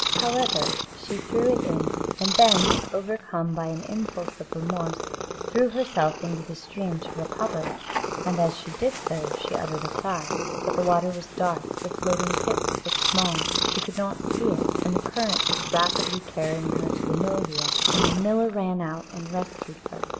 However, she threw it in, and then, overcome by an impulse of remorse, threw herself into the stream to recover it, and as she did so she uttered a cry. But the water was dark, the floating pip was small, she could not see it, and the current was rapidly carrying her to the mill wheel, when the miller ran out and rescued her.